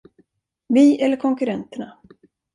Vi eller konkurrenterna.